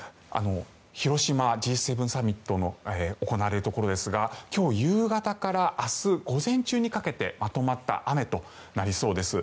広島、Ｇ７サミットが行われるところですが今日夕方から明日午前中にかけてまとまった雨となりそうです。